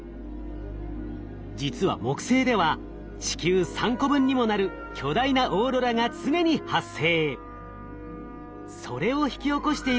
実は木星では地球３個分にもなる巨大なオーロラが常に発生。